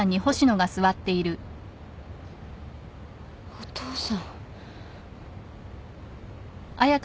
お父さん。